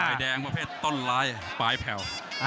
แดงประเภทต้นร้ายปลายแผ่ว